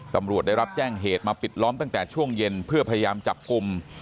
ตำรวจได้รับแจ้งเหตุมาปิดล้อมตั้งแต่ช่วงเย็นเพื่อพยายามจับกลุ่ม